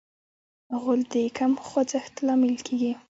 غول د کم خوځښت لامل کېږي.